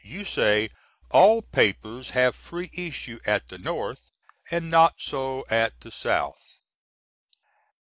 You say "all papers have free issue at the North & not so at the South."